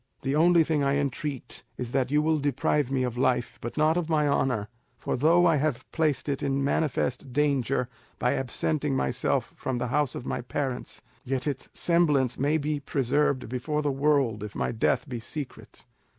The only thing I entreat is that you will deprive me of life, but not of my honour; for though I have placed it in manifest danger by absenting myself from the house of my parents, yet its semblance may be preserved before the world if my death be secret."